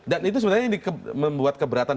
itu sebenarnya yang membuat keberatan